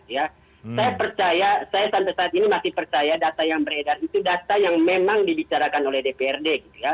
saya percaya saya sampai saat ini masih percaya data yang beredar itu data yang memang dibicarakan oleh dprd gitu ya